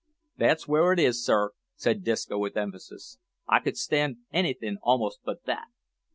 "That's w'ere it is, sir," said Disco with emphasis, "I could stand anything a'most but that."